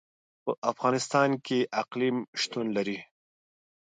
په افغانستان کې اقلیم شتون لري.